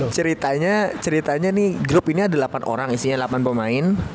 ceritanya ceritanya nih grup ini ada delapan orang isinya delapan pemain